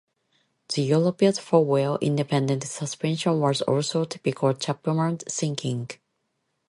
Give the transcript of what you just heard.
The Europa's four-wheel independent suspension was also typical Chapman thinking.